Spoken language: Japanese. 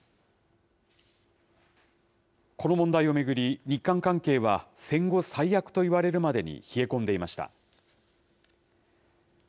この問題を巡り、日韓関係は戦後最悪といわれるまでに冷え込んでいました。